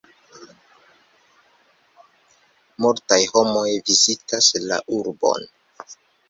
Multaj homoj vizitas la urbon.